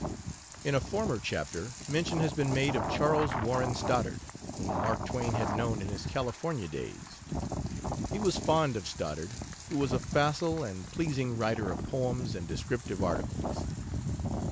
In a former chapter mention has been made of Charles Warren Stoddard, whom Mark Twain had known in his California days. He was fond of Stoddard, who was a facile and pleasing writer of poems and descriptive articles.